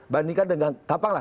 bandingkan dengan gampang lah